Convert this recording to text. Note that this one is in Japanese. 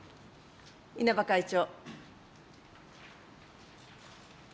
稲葉会長。